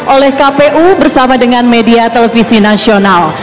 oleh kpu bersama dengan media televisi nasional